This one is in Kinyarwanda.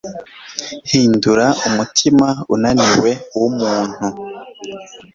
Hindura umutima unaniwe wumuntu